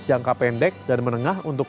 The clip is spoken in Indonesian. jangka pendek dan menengah untuk